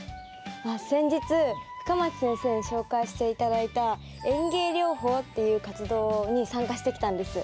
あっ先日深町先生に紹介して頂いた園芸療法っていう活動に参加してきたんです。